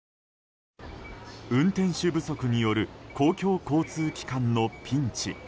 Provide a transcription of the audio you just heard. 運転手不足による公共交通機関のピンチ。